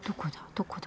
どこだ？